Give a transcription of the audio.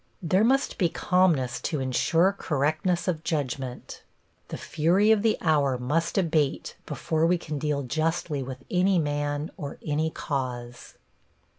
There must be calmness to insure correctness of judgment. The fury of the hour must abate before we can deal justly with any man or any cause.